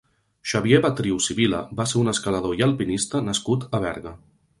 Xavier Batriu Sibila va ser un escalador i alpinista nascut a Berga.